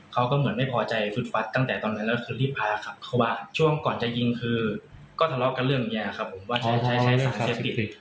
เขาก็เหมือนไม่พอใจฝึดฟัดตั้งแต่ตอนนั้นแล้วคือรีบพาเขาว่าช่วงก่อนจะยิงคือก็ทะเลาะกับเรื่องอย่างนี้ครับว่าใช้สารเซฟติด